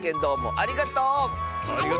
ありがとう！